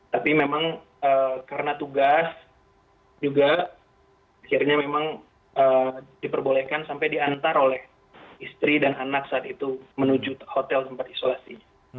tapi memang karena tugas juga akhirnya memang diperbolehkan sampai diantar oleh istri dan anak saat itu menuju hotel tempat isolasi